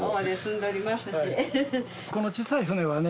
この小さい船はね。